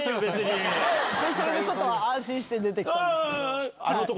それでちょっと安心して出てきたんですけど。